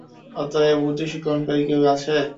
অতএব, উপদেশ গ্রহণকারী কেউ আছে কি?